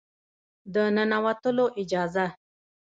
د ننوتلو اجازه